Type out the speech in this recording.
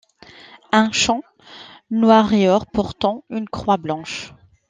Un champ noir et or portant une croix blanche.